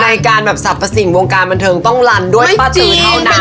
ในการแบบสับประสิทธิ์วงการบันเทิงต้องลันด้วยป๊าตือเท่านั้นไม่จริง